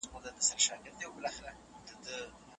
که چاوويل کاشکي زه هم کافر وای، کافر سو